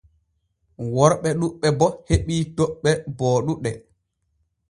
Worɓe ɗuuɓɓe bo heɓii toɓɓe booɗuɗe.